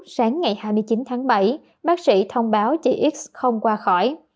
sáng ngày hai mươi chín tháng bảy bác sĩ thông báo chị x không qua khỏi